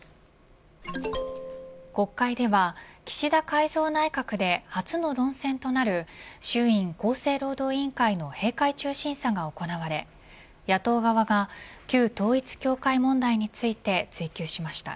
国会では岸田改造内閣で初の論戦となる衆院厚生労働委員会の閉会中審査が行われ野党側が旧統一教会問題について追及しました。